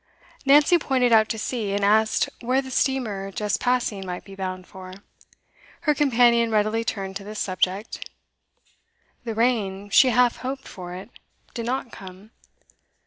Nancy pointed out to sea, and asked where the steamer just passing might be bound for. Her companion readily turned to this subject. The rain she half hoped for it did not come.